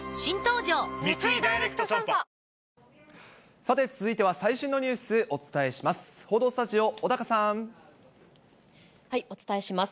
さて、続いては最新のニュース、お伝えします。